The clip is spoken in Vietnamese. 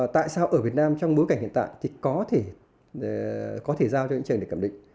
tại sao ở việt nam trong bối cảnh hiện tại thì có thể giao cho những trường để cảm định